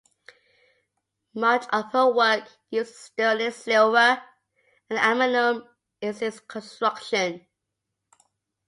Much of her work uses sterling silver and aluminum in its construction.